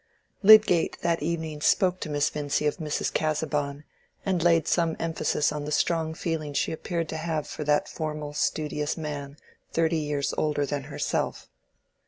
Lydgate that evening spoke to Miss Vincy of Mrs. Casaubon, and laid some emphasis on the strong feeling she appeared to have for that formal studious man thirty years older than herself.